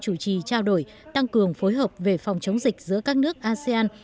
chủ trì trao đổi tăng cường phối hợp về phòng chống dịch giữa các nước asean